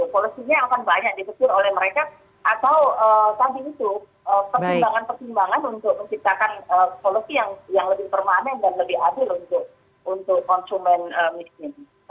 solusinya akan banyak disetir oleh mereka atau tadi itu pertimbangan pertimbangan untuk menciptakan solusi yang lebih permanen dan lebih adil untuk konsumen minyak ini